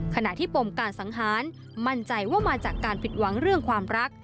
ขณะที่ปมการสังหารมั่นใจว่ามาจากการผิดหวังเรื่องความรัก